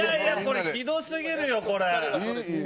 ひどすぎるよ、これ。